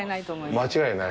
間違いない？